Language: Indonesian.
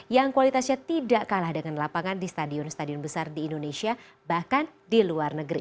yang kualitasnya tidak kalah dengan lapangan di stadion stadion besar di indonesia bahkan di luar negeri